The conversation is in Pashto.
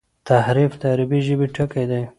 تحریف د عربي ژبي ټکی دﺉ.